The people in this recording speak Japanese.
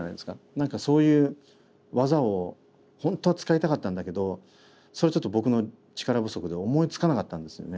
何かそういう技を本当は使いたかったんだけどそれちょっと僕の力不足で思いつかなかったんですよね。